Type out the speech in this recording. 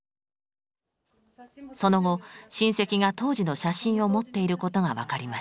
その後親戚が当時の写真を持っていることが分かります。